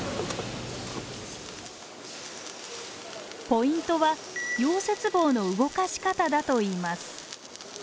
ポイントは溶接棒の動かし方だといいます。